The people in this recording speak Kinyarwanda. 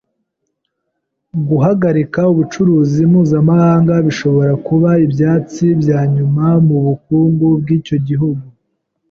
Guhagarika ubucuruzi mpuzamahanga bishobora kuba ibyatsi byanyuma mubukungu bwicyo gihugu.